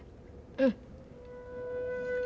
うん。